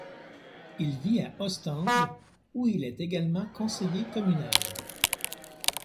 Il vit à Ostende, où il est également conseiller communal.